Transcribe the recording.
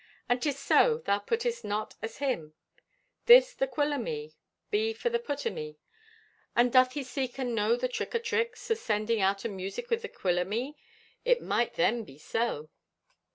And 'tis so, thou puttest not as him. This, the quill o' me, be for the put o' me, and doth he seek and know the trick o' tricks o' sending out a music with the quill o' me, it might then be so."